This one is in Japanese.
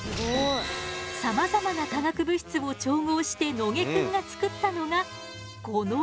さまざまな化学物質を調合して野下くんが作ったのがこの液体。